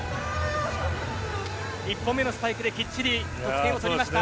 １本目のスパイクできっちり得点を取りました。